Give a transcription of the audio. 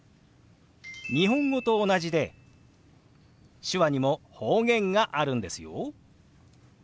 日本語と同じで手話にも方言があるんですよ。